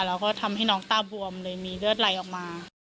แล้วก็ทำให้น้องตาบวมเลยมีเลือดไหลออกมา